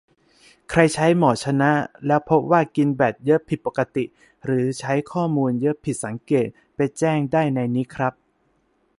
ใครใช้ หมอชนะ แล้วพบว่ากินแบตเยอะผิดปกติ หรือใช้ข้อมูลเยอะผิดสังเกต ไปแจ้งได้ในนี้ครับ